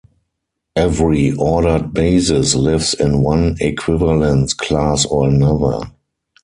Every ordered basis lives in one equivalence class or another.